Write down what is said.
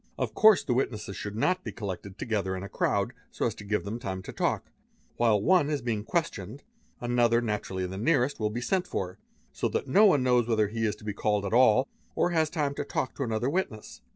Of course the witnesses should not be collected together in a crowd so as to give them time for talk; while one is being questioned, another, naturally the nearest, will be sent for; so that no one knows whether he is to be called at all, or has time to talk to anothei witness.